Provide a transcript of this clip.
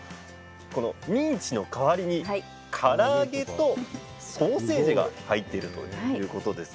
このミンチの代わりにから揚げとソーセージが入っているということです。